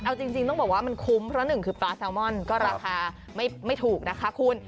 เอาจริงต้องบอกว่ามันคุ้มเพราะหนึ่งคือปลาแซลมอนก็ราคาไม่ถูกนะคะคุณ